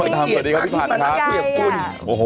เป็นเกียรติบ้างคุณฝ่ายถ้าไม่ใช่ช้านักใจ